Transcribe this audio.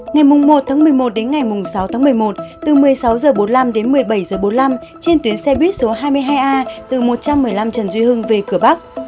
ngày một một mươi một đến ngày sáu tháng một mươi một từ một mươi sáu h bốn mươi năm đến một mươi bảy h bốn mươi năm trên tuyến xe buýt số hai mươi hai a từ một trăm một mươi năm trần duy hưng về cửa bắc